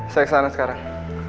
saya kesana sekarang